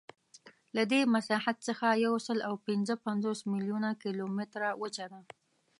له دې مساحت څخه یوسلاوپینځهپنځوس میلیونه کیلومتره وچه ده.